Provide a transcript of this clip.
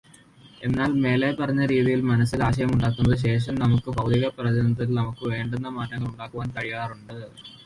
എന്നാൽ, മേല്പറഞ്ഞ രീതിയിൽ മനസ്സിൽ ആശയമുണ്ടായതിനു ശേഷം നമുക്ക് ഭൗതികപ്രപഞ്ചത്തിൽ നമുക്കു വേണ്ടുന്ന മാറ്റങ്ങളുണ്ടാക്കുവാൻ കഴിയാറുണ്ട്.